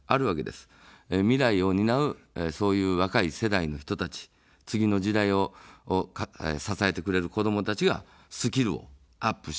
未来を担う、そういう若い世代の人たち、次の時代を支えてくれる子どもたちがスキルをアップしていく。